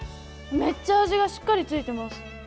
めっちゃ味がしっかりついてます。